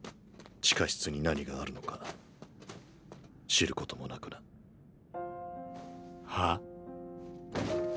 地下室に何があるのか知ることもなくな。は？